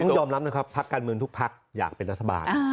ต้องยอมรับนะครับพักการเมืองทุกพักอยากเป็นรัฐบาล